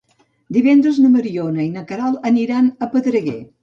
Divendres na Mariona i na Queralt aniran a Pedreguer.